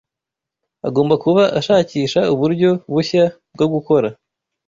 Agomba kuba ashakisha uburyo bushya bwo gukora